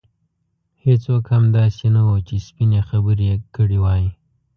هېڅوک هم داسې نه وو چې سپینې خبرې یې کړې وای.